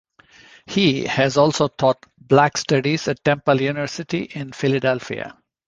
He has also taught black studies at Temple University in Philadelphia.